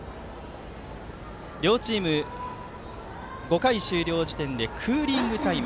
両チーム、５回終了時点でクーリングタイム。